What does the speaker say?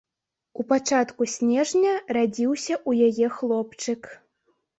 У пачатку снежня радзіўся ў яе хлопчык.